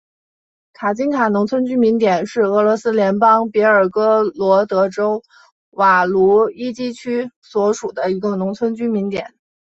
卡津卡农村居民点是俄罗斯联邦别尔哥罗德州瓦卢伊基区所属的一个农村居民点。